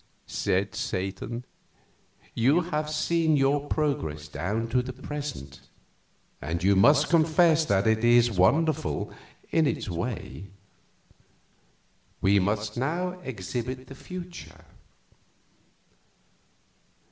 "Now," said Satan, "you have seen your progress down to the present, and you must confess that it is wonderful in its way. We must now exhibit the future."